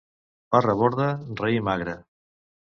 Parra borda, raïm agre.